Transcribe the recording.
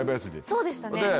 そうでしたね。